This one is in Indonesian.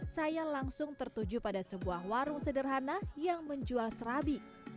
saya langsung tertuju pada sebuah warung sederhana yang menjual serabi